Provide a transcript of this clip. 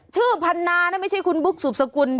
ชื่อพันนาน่ะไม่ใช่คุณบุ๊กถูกศรกุล